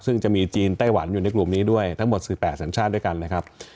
ซึ่งจะมีจีนไต้หวันอยู่ในกลุ่มนี้ด้วยทั้งหมด๑๘สัญชาติด้วยกันนะครับ